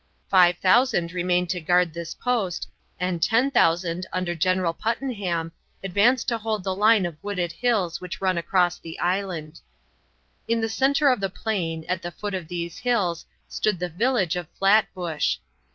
Five thousand remained to guard this post, and 10,000, under General Puttenham, advanced to hold the line of wooded hills which run across the island. In the center of the plain, at the foot of these hills, stood the village of Flatbush.